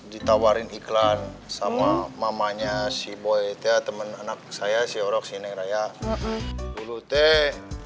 ditawarin iklan sama mamanya si ostya temen anak saya si orang warning rayyan gas dulu teh